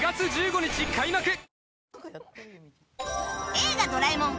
「映画ドラえもん」